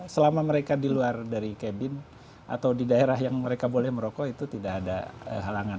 selama mereka di luar dari cabin atau di daerah yang mereka boleh merokok itu tidak ada halangan